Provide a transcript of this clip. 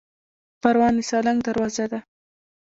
پروان د سالنګ دروازه ده